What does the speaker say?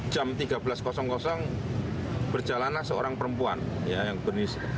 jam tiga belas berjalanlah seorang perempuan yang berinisial